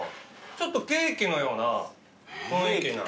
ちょっとケーキのような雰囲気。